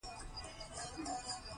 شيدې سرې شوې.